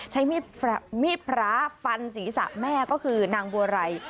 ใช้มีดพระฟันศีรษะแม่ก็คือนางบัวไร